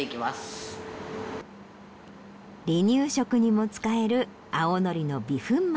離乳食にも使える青のりの微粉末。